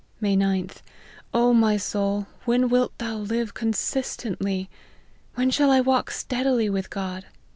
" May 9th. O my soul, when wilt thou live consistently? When shall I walk steadily with God